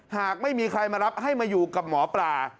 หากไม่มีใครมารับให้มาอยู่กับหมอปลา